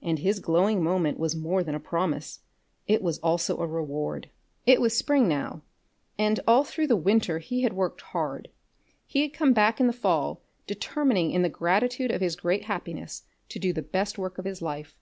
And his glowing moment was more than a promise; it was also a reward. It was spring now, and all through the winter he had worked hard. He had come back in the fall determining in the gratitude of his great happiness to do the best work of his life.